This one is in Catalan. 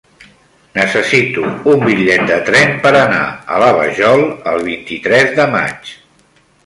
Necessito un bitllet de tren per anar a la Vajol el vint-i-tres de maig.